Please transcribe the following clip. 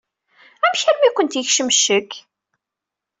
Amek armi i ken-yekcem ccek?